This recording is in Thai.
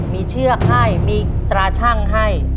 มีเชือกให้มีตราชั่งให้